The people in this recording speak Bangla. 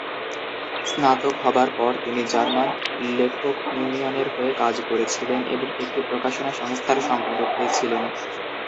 স্নাতক হবার পর, তিনি জার্মান লেখক ইউনিয়নের হয়ে কাজ করেছিলেন এবং একটি প্রকাশনা সংস্থার সম্পাদক হয়েছিলেন।